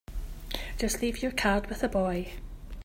Just leave your card with the boy.